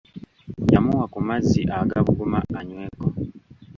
Yamuwa ku mazzi agabuguma anyweko.